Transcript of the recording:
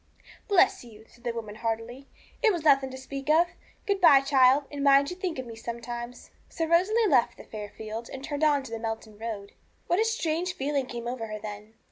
'Bless you!' said the woman heartily; 'it was nothing to speak of. Good bye, child, and mind you think of me sometimes.' So Rosalie left the fair field and turned on to the Melton road. What a strange feeling came over her then!